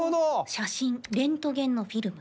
写真レントゲンのフィルム。